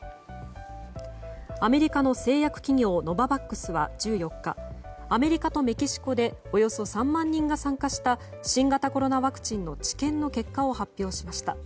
アメリカの製薬企業ノババックスは１４日、アメリカとメキシコでおよそ３万人が参加した新型コロナワクチンの治験の結果を発表しました。